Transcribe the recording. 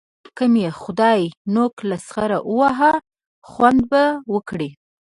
که مې خدای نوک له سخره وواهه؛ خوند به وکړي.